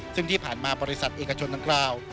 ซึ่งที่ผ่านมาบริษัทเอกชนดังกล่าว